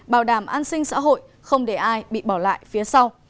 bảo đảm an sinh xã hội không để ai bị bỏ lại phía sau